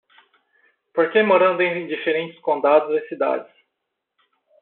Porque morando em diferentes condados e cidades